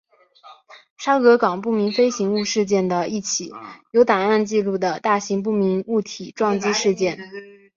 沙格港不明飞行物事件的一起有档案记录的大型不明物体撞击事件。